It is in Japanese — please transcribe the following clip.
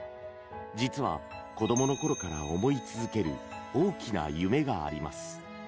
実は、子供のころから思い続ける大きな夢があります。